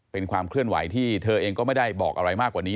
เป็นความเคลื่อนไหวที่เธอเองก็ไม่ได้บอกอะไรมากกว่านี้